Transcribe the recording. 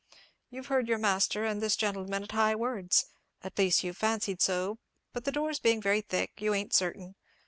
You've heard your master and this gentleman at high words—at least you've fancied so; but, the doors being very thick, you ain't certain.